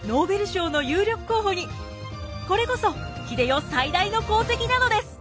これこそ英世最大の功績なのです。